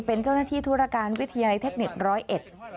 เป็นเจ้าหน้าที่ธุระการวิทยาลัยเทคนิค๑๐๑